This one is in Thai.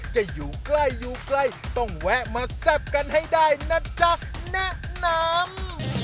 จะอยู่ใกล้อยู่ใกล้ต้องแวะมาแซ่บกันให้ได้นะจ๊ะแนะนำ